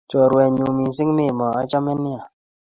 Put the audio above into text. Chorwennyu missing' Memo ,achame nia